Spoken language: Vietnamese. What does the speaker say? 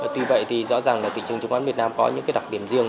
tuy vậy thì rõ ràng là thị trường chủ quán việt nam có những đặc điểm riêng